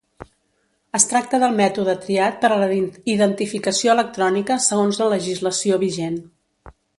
Es tracta del mètode triat per a la identificació electrònica segons la legislació vigent.